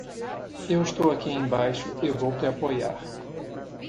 Eu estou aqui embaixo e vou te apoiar.